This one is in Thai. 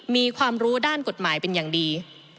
มีความรู้ด้านกฎหมายเป็นอย่างดี